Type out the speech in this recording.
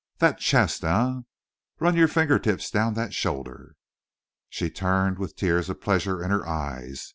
That chest, eh? Run your finger tips down that shoulder!" She turned with tears of pleasure in her eyes.